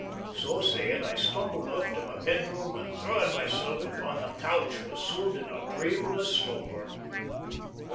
So saying I stumbled off to my bedroom, and throwing myself upon the couch was soon in a dreamless slumber.